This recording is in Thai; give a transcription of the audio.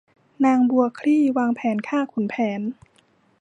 นางบัวคลี่วางแผนฆ่าขุนแผน